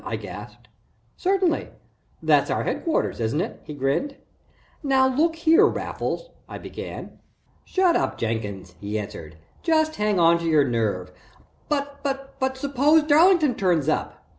I gasped. "Certainly that's our headquarters, isn't it?" he grinned. "Now see here, Raffles," I began. "Shut up Jenkins," he answered. "Just hang on to your nerve " "But suppose Darlington turns up?"